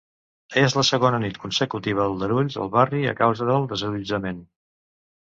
És la segona nit consecutiva d’aldarulls al barri a causa del desallotjament.